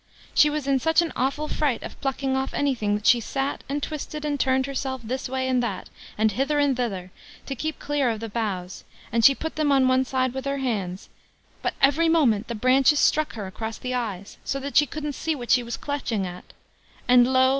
She was in such an awful fright of plucking off anything, that she sat, and twisted, and turned herself this way and that, and hither and thither, to keep clear of the boughs, and she put them on one side with her hands; but every moment the branches struck her across the eyes, so that she couldn't see what she was clutching at; and lo!